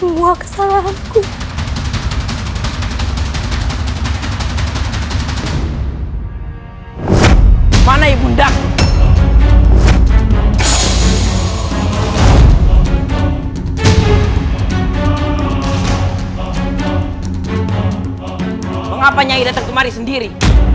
mengapa nyai datang kemari sendiri